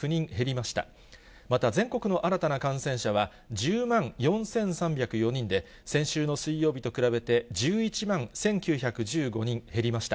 また全国の新たな感染者は１０万４３０４人で、先週の水曜日と比べて、１１万１９１５人減りました。